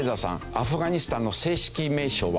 アフガニスタンの正式名称は？